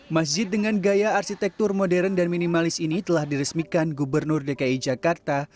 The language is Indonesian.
masjid dengan gaya arsitektur modern dan minimalis ini telah diresmikan gubernur dki jakarta